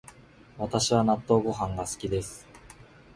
私は納豆ご飯が好きです